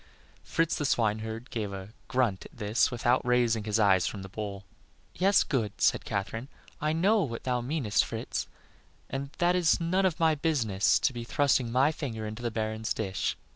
Fritz, the swineherd, gave a grunt at this without raising his eyes from the bowl. "Yes, good," said Katherine, "I know what thou meanest, Fritz, and that it is none of my business to be thrusting my finger into the Baron's dish.